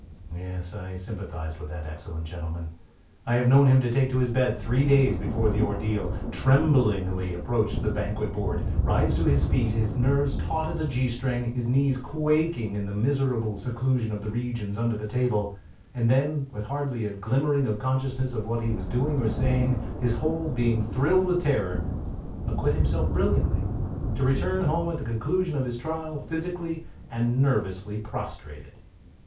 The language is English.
Yes, I sympathized with that excellent gentleman. I have known him to take to his bed three days before the ordeal, tremblingly approach the banquet board, rise to his feet, his nerves taut as a G string, his knees quaking in the merciful seclusion of the regions under the table, and then, with hardly a glimmering of consciousness of what he was doing or saying, his whole being thrilled with terror, acquit himself brilliantly, to return home at the conclusion of his trial physically and nervously prostrated.